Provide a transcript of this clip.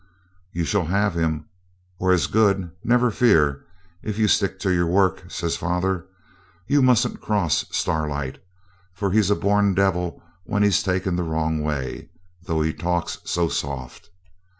'You shall have him, or as good, never fear, if you stick to your work,' says father. 'You mustn't cross Starlight, for he's a born devil when he's taken the wrong way, though he talks so soft.